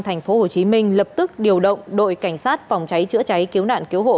thành phố hồ chí minh lập tức điều động đội cảnh sát phòng cháy chữa cháy cứu nạn cứu hộ